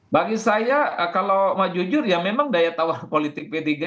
bagi saya kalau omah jujur ya memang daya tawar politik p tiga itu wassalam mas